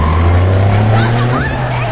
ちょっと待ってよ！